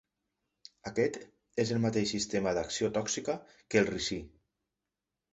Aquest és el mateix sistema d'acció tòxica que el ricí.